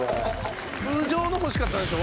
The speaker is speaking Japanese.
通常の欲しかったでしょ？